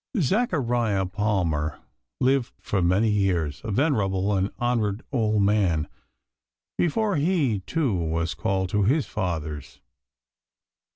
Zachariah Palmer lived for many years, a venerable and honoured old man, before he, too, was called to his fathers.